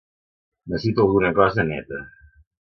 Necessito alguna cosa neta.